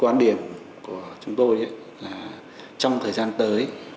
quan điểm của chúng tôi là trong thời gian tới